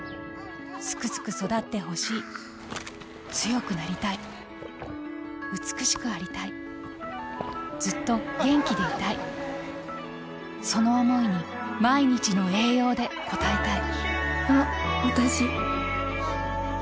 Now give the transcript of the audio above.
スクスク育ってほしい強くなりたい美しくありたいずっと元気でいたいその想いに毎日の栄養で応えたいあっわたし。